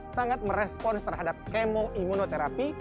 sangat merespons terhadap kemo imunoterapi